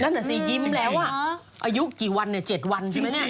น่ะสิยิ้มแล้วอายุกี่วันเนี่ย๗วันใช่ไหมเนี่ย